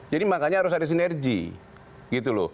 jadi makanya harus ada sinergi